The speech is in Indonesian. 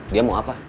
dia mau apa